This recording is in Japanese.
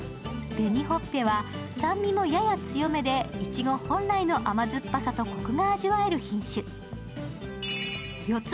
紅ほっぺは酸味もやや強めで、いちご本来の甘酸っぱさとコクが味わえる品種。よ